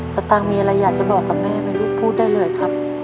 สตางค์มีอะไรอยากจะบอกกับแม่ไหมลูกพูดได้เลยครับ